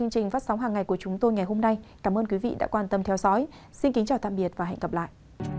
cảm ơn quý vị đã quan tâm theo dõi xin kính chào tạm biệt và hẹn gặp lại